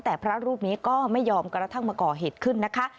แต่พระรูปนี้ก็ไม่ยอมกระทั่งมาก่อเหตุขึ้นนะคะ